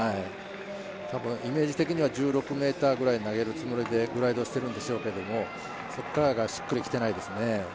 多分、イメージ的には１６ｍぐらい投げるつもりでグライドしてるんでしょうけどもそこからがしっくり来てないですね。